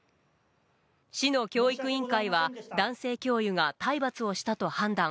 市の教育委員会は、男性教諭が体罰をしたと判断。